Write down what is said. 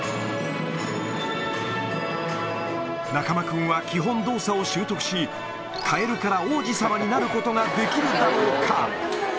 中間君は基本動作を習得し、カエルから王子さまになることができるだろうか。